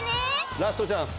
ラストチャンス。